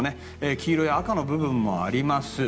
黄色や赤の部分もあります。